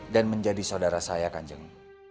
dan menjadi saudara saya kajeng